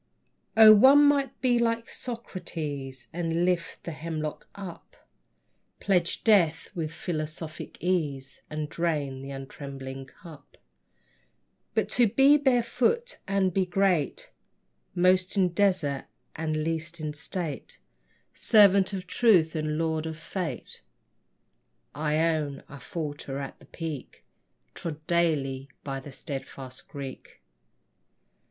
O, one might be like Socrates And lift the hemlock up, Pledge death with philosophic ease, And drain the untrembling cup; But to be barefoot and be great, Most in desert and least in state, Servant of truth and lord of fate! I own I falter at the peak Trod daily by the steadfast Greek.